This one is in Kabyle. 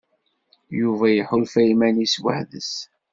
Yuba iḥulfa iman-is weḥd-s.